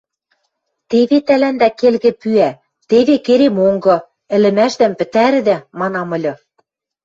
Теве тӓлӓндӓ келгӹ пӱӓ, теве керем онгы — ӹлӹмӓшдӓм пӹтӓрӹдӓ, манам ыльы...